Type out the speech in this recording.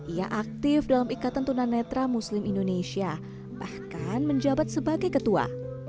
ia aktif dalam ikatan tunanetra muslim indonesia bahkan menjabat sebagai ketua